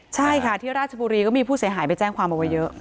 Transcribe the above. ใช่ค่ะที่ราชบุรีก็มีผู้เสียหายไปแจ้งความเอาไว้เยอะ